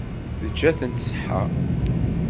Teǧǧa-tent ṣṣeḥḥa.